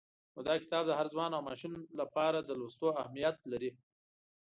نو دا کتاب د هر ځوان او ماشوم لپاره د لوستلو اهمیت لري.